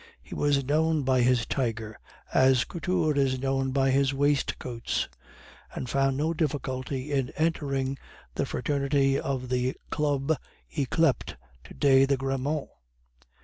He was known by his tiger as Couture is known by his waistcoats and found no difficulty in entering the fraternity of the club yclept to day the Grammont.